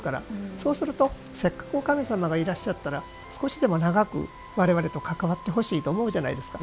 そうすると、せっかく神様がいらっしゃったら少しでも長く我々と関わってほしいと思うじゃないですか。